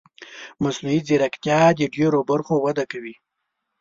مصنوعي ځیرکتیا د ډېرو برخو وده کوي.